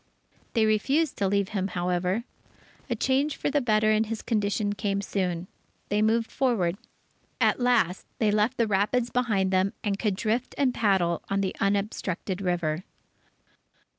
They refused to leave him, however. A change for the better in his condition came soon. They moved forward. At last they left the rapids behind them, and could drift and paddle on the unobstructed river.